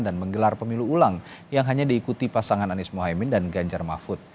dan menggelar pemilu ulang yang hanya diikuti pasangan anies mohaimin dan ganjar mafud